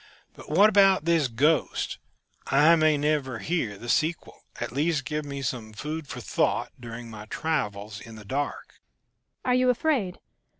But what about this ghost? I may never hear the sequel. At least give me some food for thought during my travels in the dark."